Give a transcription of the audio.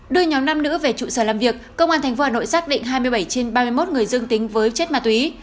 đưa nhóm nam nữ về trụ sở làm việc công an tp hà nội xác định hai mươi bảy trên ba mươi một người dương tính với chất ma túy